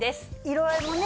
色合いもね